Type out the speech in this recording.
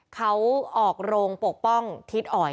เขาออกโรงปกป้องทิศอ่อย